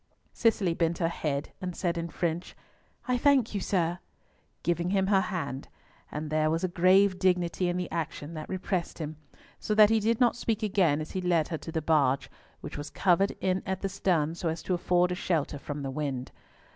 Cicely bent her head and said in French, "I thank you, sir," giving him her hand; and there was a grave dignity in the action that repressed him, so that he did not speak again as he led her to the barge, which was covered in at the stern so as to afford a shelter from the wind.